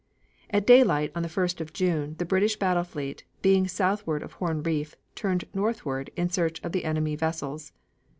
At daylight on the 1st of June the British battle fleet, being southward of Horn Reef, turned northward in search of the enemy vessels.